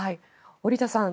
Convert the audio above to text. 織田さん